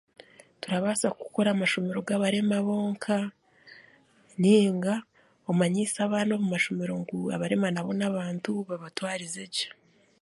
Turabaasa kukora amashomero g'abarema bonka nainga omanyiise abaana omu mashomero ngu abarema nabo n'abantu babatwarize gye.